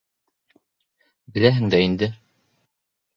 — Беләһең дә инде.